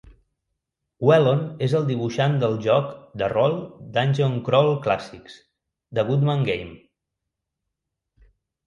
Whelon és el dibuixant del joc de rol 'Dungeon Crawl Classics' de Goodman Game.